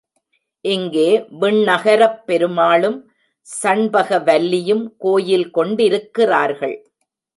இங்கே விண்ணகரப் பெருமாளும் சண்பக வல்லியும் கோயில் கொண்டிருக்கிறார்கள்.